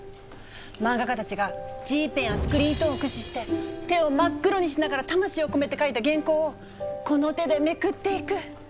漫画家たちがＧペンやスクリーントーンを駆使して手を真っ黒にしながら魂を込めて描いた原稿をこの手でめくっていく。